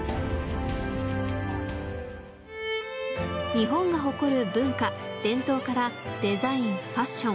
日本が誇る文化・伝統からデザインファッション